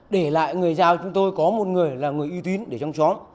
để lại người giao chúng tôi có một người là người ưu tiến để trong xóm